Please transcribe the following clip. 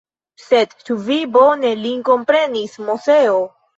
Sed, ĉu vi bone lin komprenis, Moseo?